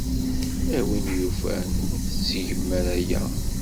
A win yufan, ur tettgem ara aya.